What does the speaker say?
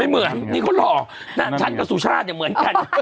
ไม่เหมือนนี้เขาหล่อน้องชันกับสุชาติเหมือนกัน